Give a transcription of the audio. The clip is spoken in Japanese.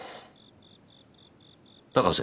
高瀬。